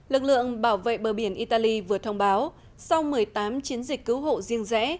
lực lượng bảo vệ bờ biển italy vừa thông báo sau một mươi tám chiến dịch cứu hộ riêng rẽ